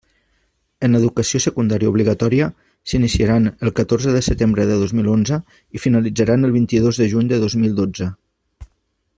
En Educació Secundària Obligatòria, s'iniciaran el catorze de setembre de dos mil onze i finalitzaran el vint-i-dos de juny de dos mil dotze.